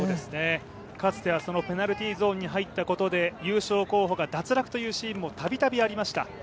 かつてはそのペナルティーゾーンに入ったことで優勝候補が脱落というシーンも度々ありました。